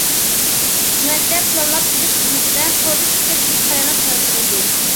نۆۋەتتە، پىلانلاپ تۈزۈش خىزمىتىدە توردا پىكىر ئېلىش قانات يايدۇرۇلدى.